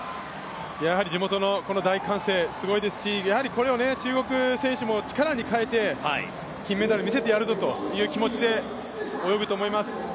やはり地元の大歓声、すごいですしやはりこれを中国選手も力に変えて金メダル見せてやるぞという気持ちで泳ぐと思います。